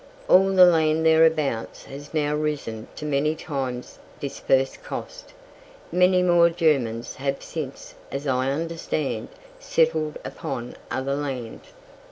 All the land thereabout has now risen to many times this first cost. Many more Germans have since, as I understand, settled upon other land.